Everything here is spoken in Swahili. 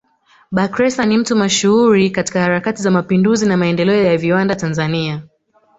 Bakhresa ni mtu mashuhuri katika harakati za mapinduzi na maendeleo ya viwanda Tanzania